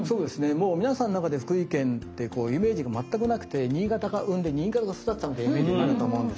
もう皆さんの中で福井県ってイメージが全くなくて新潟が生んで新潟が育てたってイメージになると思うんですが。